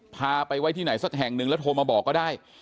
พาไปไว้ที่ไหนซะแห่งนึงโทรมาบอกก็ได้